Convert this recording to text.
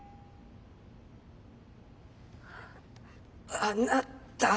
あなた。